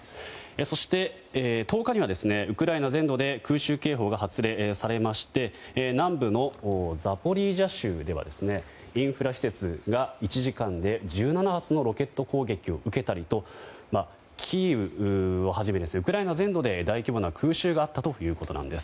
そして、１０日にはウクライナ全土で空襲警報が発令されまして南部のザポリージャ州ではインフラ施設が１時間で１７発のロケット攻撃を受けたりとキーウをはじめウクライナ全土で大規模な空襲があったということです。